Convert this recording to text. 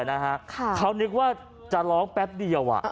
กับคนขับรถไปอ่ะนะฮะเขานึกว่าจะร้องแป๊บเดียวอ่ะ